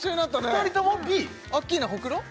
２人ともＢアッキーナホクロ？